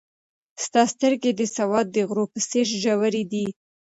ستا سترګې د سوات د غرو په څېر ژورې دي.